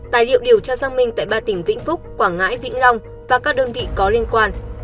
tài liệu điều tra xăng minh tại ba tỉnh vĩnh phúc quảng ngãi vĩnh long và các đơn vị có liên quan